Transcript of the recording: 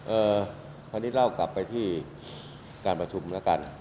คราวนี้เล่ากลับไปที่การประชุมแล้วกัน